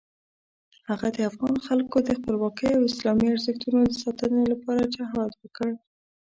هغه د افغان خلکو د خپلواکۍ او اسلامي ارزښتونو د ساتنې لپاره جهاد وکړ.